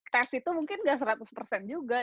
tes itu mungkin gak seratus persen juga